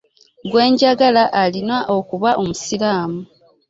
Gwe njagala alina okuba omusiraamu.